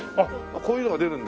こういうのが出るんだ。